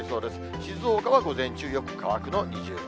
静岡は午前中、よく乾くの二重丸。